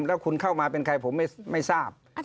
แล้วคุณเข้ามาเป็นใครผมไม่ทราบ